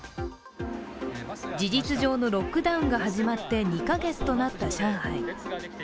事実上のロックダウンが始まって２カ月となった上海。